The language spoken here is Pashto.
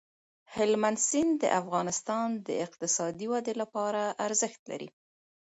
هلمند سیند د افغانستان د اقتصادي ودې لپاره ارزښت لري.